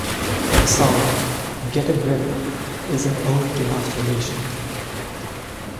The song "Get a Grip" is an ode to masturbation.